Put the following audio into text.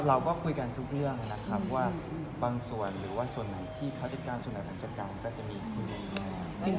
เราก็คุยกันทุกเรื่องนะครับว่าบางส่วนหรือว่าส่วนไหนที่เขาจัดการส่วนไหนเขาจัดการก็จะมีคุย